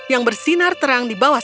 yang bersinar terang di bawah